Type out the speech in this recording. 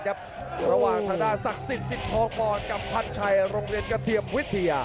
ของรายการระหว่างธนาศักดิ์ศักดิ์๑๖บอลกับพันชัยโรงเรียนกระเทียมวิทยา